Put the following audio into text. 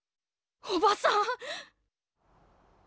おばさん！？